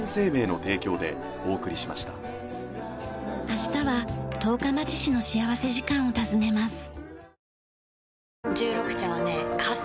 明日は十日町市の幸福時間を訪ねます。